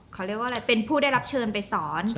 เขาเรียกว่าอะไรเป็นผู้ได้รับเชิญไปสอน